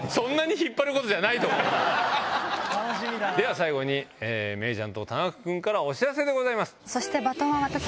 最後に芽郁ちゃんと田中君からお知らせでございます。